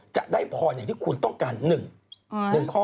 จะได้พรอย่างที่คุณต้องการหนึ่งหนึ่งข้อ